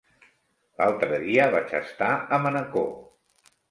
L'altre dia vaig estar a Manacor.